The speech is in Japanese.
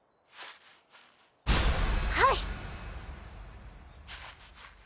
はい！